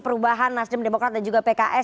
perubahan nasdem demokrat dan juga pks